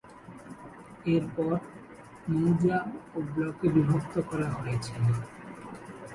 এরপর মৌজা ও ব্লকে বিভক্ত করা হয়েছে।